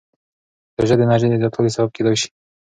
روژه د انرژۍ د زیاتوالي سبب کېدای شي.